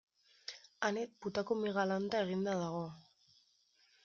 Ane putakume galanta eginda dago.